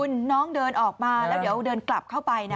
อุ้นน้องเดินออกมาแล้วเดินกลับเข้าไปนะ